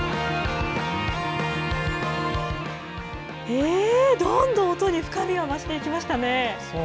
ええっ、どんどん音に深みが増していきましたね。